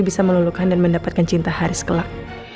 bisa melulukan dan mendapatkan cinta hari sekelak